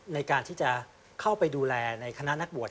ในการที่จะเข้าไปดูแลในคณะนักบวช